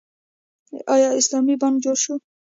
آیا اسلامي بانک جوړ شو؟